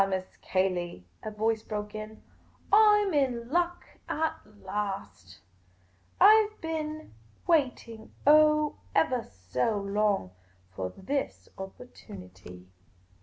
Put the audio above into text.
Miss Cayley," a voice broke in ; "I 'm in luck at last ! I 've been waiting, oh, evah so long, for this opportunity."